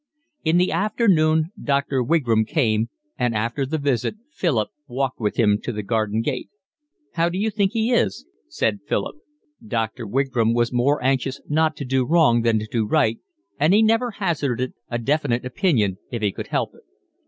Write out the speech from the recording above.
In the afternoon Dr. Wigram came, and after the visit Philip walked with him to the garden gate. "How d'you think he is?" said Philip. Dr. Wigram was more anxious not to do wrong than to do right, and he never hazarded a definite opinion if he could help it.